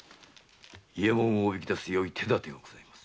伊右衛門をおびき出すよい手だてがございます。